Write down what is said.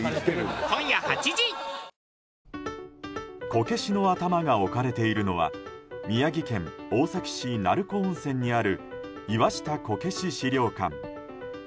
こけしの頭が置かれているのは宮城県大崎市、鳴子温泉にある岩下こけし資料館。